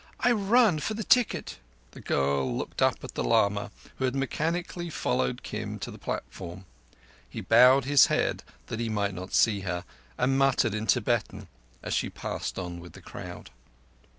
I run for the tikkut." The girl looked up at the lama, who had mechanically followed Kim to the platform. He bowed his head that he might not see her, and muttered in Tibetan as she passed on with the crowd.